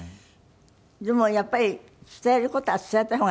でもやっぱり伝える事は伝えた方がいいわよ。